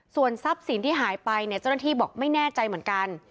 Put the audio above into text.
ส่วนทรัพย์สินที่หายไปเนี่ยเจ้าหน้าที่บอกไม่แน่ใจเหมือนกัน